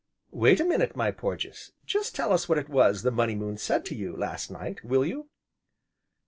"Wait a minute, my Porges, just tell us what it was the Money Moon said to you, last night, will you?"